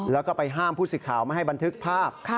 แล้วก็ไปห้ามผู้สิทธิ์ข่าวไม่ให้บันทึกภาพ